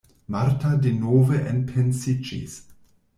Marta denove enpensiĝis.